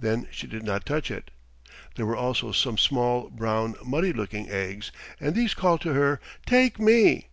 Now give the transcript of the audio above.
Then she did not touch it. There were also some small, brown, muddy looking eggs, and these called to her, "Take me!"